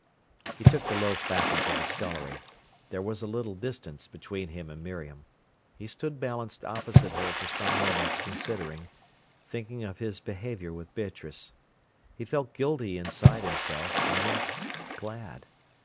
He took the loaf back into the scullery. There was a little distance between him and Miriam. He stood balanced opposite her for some moments considering, thinking of his behaviour with Beatrice. He felt guilty inside himself, and yet glad.